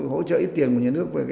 hỗ trợ ít tiền của nhà nước